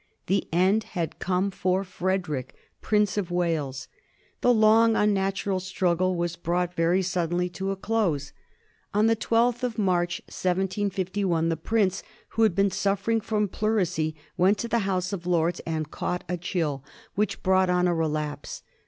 The end had come for Frederick, Prince of Wales, The long, unnatural struggle was brought very suddenly to a close. On the 12th of March, 1751, the prince, who had been suffering from pleurisy, went to the House of Lords, and caught a chill which brought on a relapse.